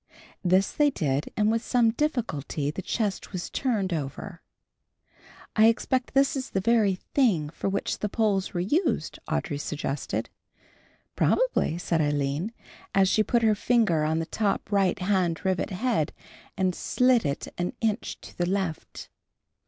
This they did and with some difficulty the chest was turned over. "I expect that is the very thing for which the poles were used," Audry suggested. "Probably," said Aline, as she put her finger on the top right hand rivet head and slid it an inch to the left.